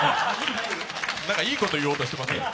何かいいこと言おうとしてません？